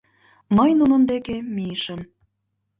Мый нунын деке мийышым.